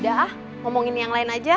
da ah ngomongin yang lain aja